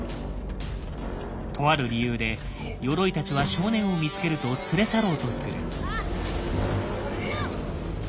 とある理由でヨロイたちは少年を見つけると連れ去ろうとする。